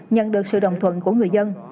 nhận được sự đồng thuận của người dân